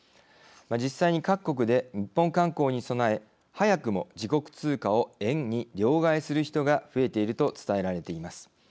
実際に各国で日本観光に備え、早くも自国通貨を円に両替する人が増えていると伝えられています。